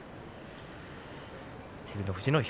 照ノ富士